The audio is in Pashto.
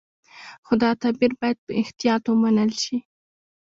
خو دا تعبیر باید په احتیاط ومنل شي.